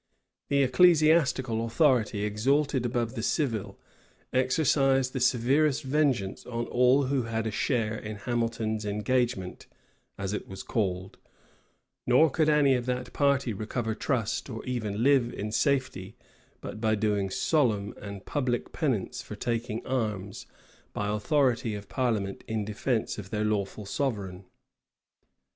The ecclesiastical authority, exalted above the civil, exercised the severest vengeance on all who had a share in Hamilton's engagement, as it was called; nor could any of that party recover trust, or even live in safety, but by doing solemn and public penance for taking arms, by authority of parliament in defence of their lawful sovereign.